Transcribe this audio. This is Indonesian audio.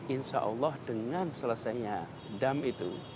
insya allah dengan selesainya dam itu